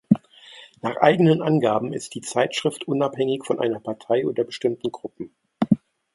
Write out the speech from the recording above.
Nach eigenen Angaben ist die Zeitschrift unabhängig von einer Partei oder bestimmten Gruppen.